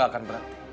aku gak akan berhenti